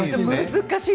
難しい。